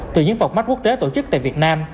từ những phòng mắt quốc tế tổ chức tại việt nam